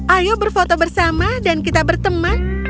ayo berfoto bersama dan kita berteman